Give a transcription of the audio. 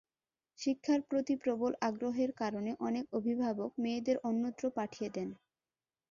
শিক্ষার প্রতি প্রবল আগ্রহের কারণে অনেক অভিভাবক মেয়েদের অন্যত্র পাঠিয়ে দেন।